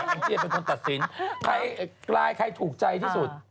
แองจี้เป็นคนตัดสินใครถูกใจที่สุด